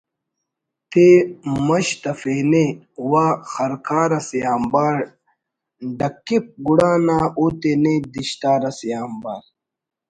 تے مش تفینے وا خرکار اسے آنبار ڈکپ گڑا نا او تینے دِشتار اسے آنبار